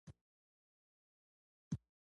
غول د لوبیا زور لري.